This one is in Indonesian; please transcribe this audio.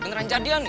beneran jadian nih